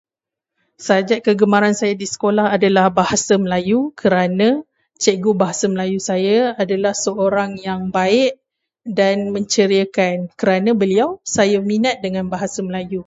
Subjek kegemaran saya di sekolah adalah bahasa Melayu kerana cikgu bahasa Melayu saya adalah seorang yang baik dan menceriakan. Kerana beliau, saya minat dengan bahasa Melayu.